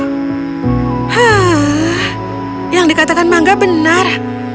hah yang dikatakan mangga benar